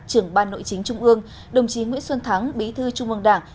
trưởng ban nội chính trung ương đồng chí nguyễn xuân thắng bí thư trung ương đảng